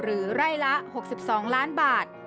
หรือไร่ละ๖๒ล้านบาท